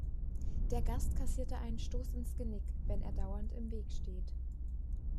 Der Gast kassiert einen Stoß ins Genick, wenn er dauernd im Weg steht.